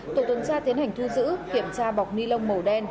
tổ tuần tra tiến hành thu giữ kiểm tra bọc ni lông màu đen